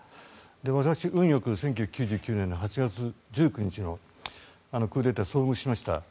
私、運良く１９９１年の８月１９日のクーデターに遭遇しました。